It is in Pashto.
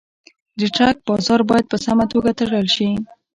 د ټرک بار باید په سمه توګه تړل شي.